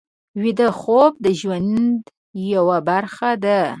ویده خوب د ژوند یوه برخه ده